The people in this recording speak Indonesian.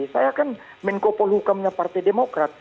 saya kan menkopol hukumnya partai demokrat